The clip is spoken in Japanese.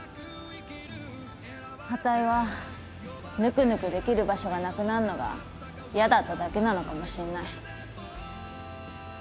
あたいはぬくぬくできる場所がなくなんのが嫌だっただけなのかもしんない。